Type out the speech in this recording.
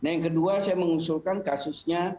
nah yang kedua saya mengusulkan kasusnya